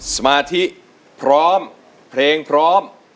สมาธิพร้อมเพลงพร้อม